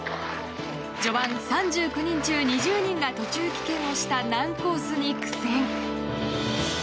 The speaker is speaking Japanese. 序盤、３９人中２０人が途中棄権をした難コースに苦戦。